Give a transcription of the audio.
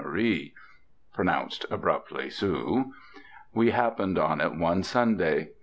Marie (pronounced, abruptly, 'Soo'). We happened on it one Sunday.